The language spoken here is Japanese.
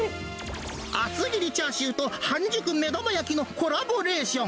厚切りチャーシューと半熟目玉焼きのコラボレーション。